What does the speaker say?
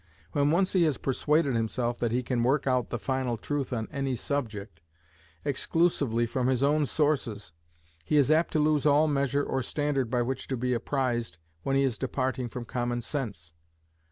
When once he has persuaded himself that he can work out the final truth on any subject, exclusively from his own sources, he is apt to lose all measure or standard by which to be apprized when he is departing from common sense.